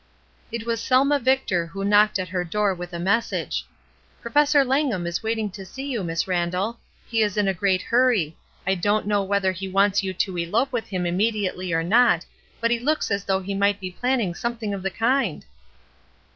It was Sehna Victor who knocked at her door with a message, "Professor Langham is waiting to see you, Miss Randall. He is in a great hurry. I don't know whether he wants you to elope with him immediately or not, but he looks as though he might be planning some thing of the kind."